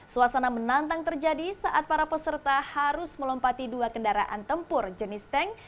suasana menantang terjadi saat para peserta harus melompati dua kendaraan tempur jenis tank